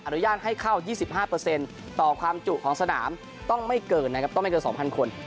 อนุญาตให้เข้า๒๕ต่อความจุของสนามต้องไม่เกิน๒๐๐๐คน